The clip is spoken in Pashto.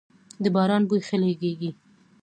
د باران بوی ښه لږیږی